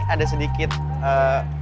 ada sedikit ee